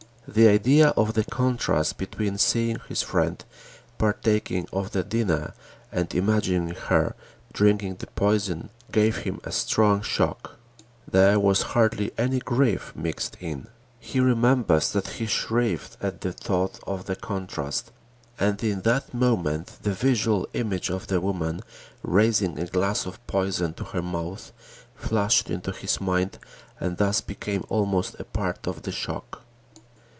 The idea of the contrast between seeing his friend partaking of the dinner and imagining her drinking the poison gave him a strong shock. There was hardly any grief mixed in. He remembers that he shivered at the thought of the contrast, and in that moment the visual image of the woman raising a glass of poison to her mouth flashed into his mind and thus became almost a part of the shock.